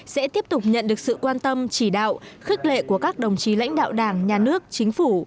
sẽ tiếp tục nhận được sự quan tâm chỉ đạo khức lệ của các đồng chí lãnh đạo đảng nhà nước chính phủ